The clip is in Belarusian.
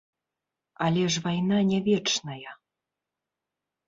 Але ж вайна не вечная.